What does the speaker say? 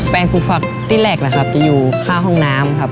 แปรงปลูกฟลาคตีแรกจะอยู่ข้าวห้องน้ำ